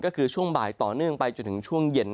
ก็คือช่วงบ่ายต่อเนื่องไปจนถึงช่วงเย็น